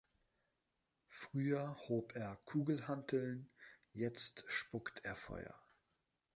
Früher hob er Kugelhanteln, jetzt spuckt er Feuer.